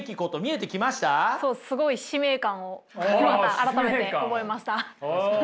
そうすごい使命感をまた改めて覚えました。